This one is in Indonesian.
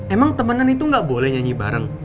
emang temenan itu nggak boleh nyanyi bareng